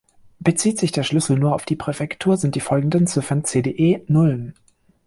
Bezieht sich der Schlüssel nur auf die Präfektur, sind die folgenden Ziffern "cde" Nullen.